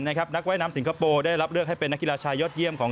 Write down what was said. นักว่ายน้ำสิงคโปร์ได้รับเลือกให้เป็นนักกีฬาชายอดเยี่ยมของ